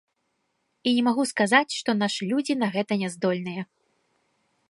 І не магу сказаць, што нашы людзі на гэта няздольныя.